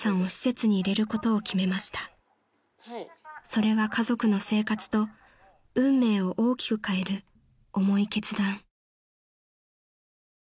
［それは家族の生活と運命を大きく変える重い決断］